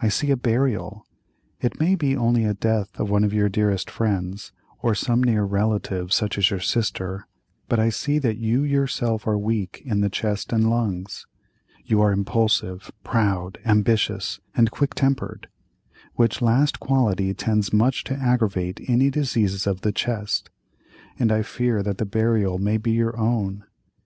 I see a burial—it may be only a death of one of your dearest friends, or some near relative, such as your sister, but I see that you yourself are weak in the chest and lungs; you are impulsive, proud, ambitious, and quick tempered, which last quality tends much to aggravate any diseases of the chest, and I fear that the burial may be your own.